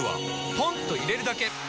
ポンと入れるだけ！